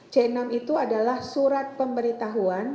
c enam itu adalah surat pemberitahuan